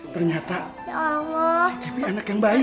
ternyata si cepi anak yang baik